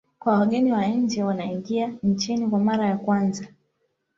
kwa wageni wa nje wanaoingia nchini kwa mara ya kwanza